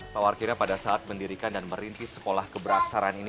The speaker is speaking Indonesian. pak warkinya pada saat mendirikan dan merintis sekolah keberaksaran ini